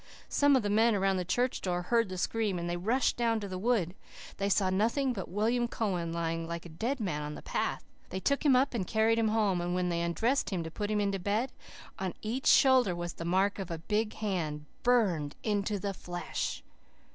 Some of the men around the church door heard the scream, and they rushed down to the wood. They saw nothing but William Cowan, lying like a dead man on the path. They took him up and carried him home; and when they undressed him to put him to bed, there, on each shoulder, was the mark of a big hand, BURNED INTO THE FLESH.